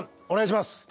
お願いします。